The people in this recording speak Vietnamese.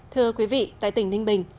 thưa quý vị tại tỉnh ninh bình